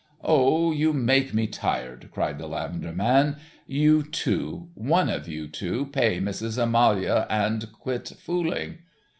"Oh, you make me tired," cried the lavender man, "you two. One of you two, pay Missus Amaloa and quit fooling."